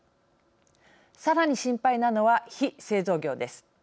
さらに心配なのは非製造業です。